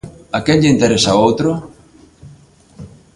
A quen lle interesa o outro?